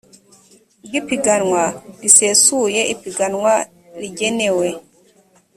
bw ipiganwa risesuye ipiganwa rigenewe